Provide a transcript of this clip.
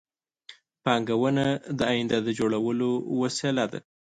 پانګونه د آینده د جوړولو وسیله ده